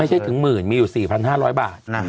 ไม่ได้ถึงหมื่นมีอยู่๔๕๐๐บาท